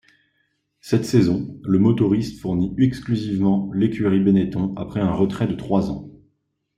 Cette saison, le motoriste fournit exclusivement l'écurie Benetton après un retrait de trois ans.